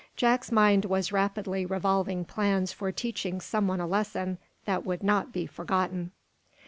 Jack's mind was rapidly revolving plans for teaching some one a lesson that would not be forgotten.